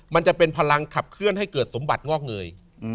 มันจะเป็นพลังขับเคลื่อนให้เกิดสมบัติงอกเงย